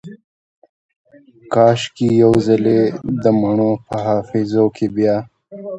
کاشکي یو ځلې دمڼو په حافظو کې بیا